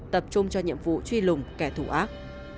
tập trung cho nhiệm vụ truy lùng kẻ thù ác